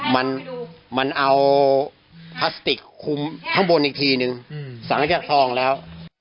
มันเอาพลาสติกขึ้นข้างบนอีกทีนึงสังเกตฟองแล้ว